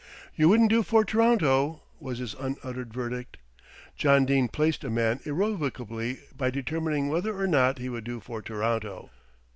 "You wouldn't do for T'ronto," was his unuttered verdict. John Dene "placed" a man irrevocably by determining whether or no he would do for Toronto.